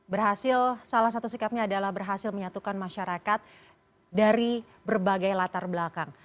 berhasil salah satu sikapnya adalah berhasil menyatukan masyarakat dari berbagai latar belakang